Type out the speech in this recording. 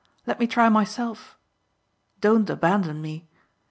Let me try myself. Don't abandon me.